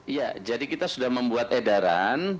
iya jadi kita sudah membuat edaran